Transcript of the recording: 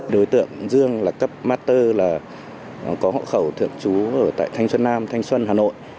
đối tượng dương là cấp master là có hộ khẩu thượng chú ở tại thanh xuân nam thanh xuân hà nội